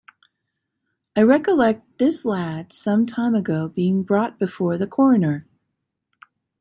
I recollect this lad some time ago being brought before the coroner.